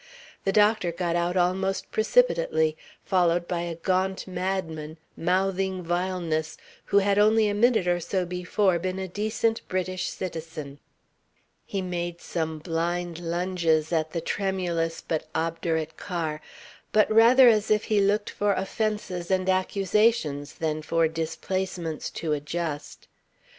The doctor got out almost precipitately, followed by a gaunt madman, mouthing vileness, who had only a minute or so before been a decent British citizen. He made some blind lunges at the tremulous but obdurate car, but rather as if he looked for offences and accusations than for displacements to adjust.